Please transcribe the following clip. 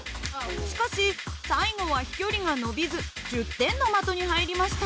しかし最後は飛距離が伸びず１０点の的に入りました。